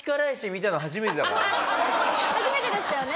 初めてでしたよね？